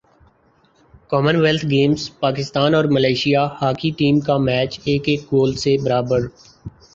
common wealth games Pakistan اور Malaysia hockey team کا match ایک ایک گول سے برابر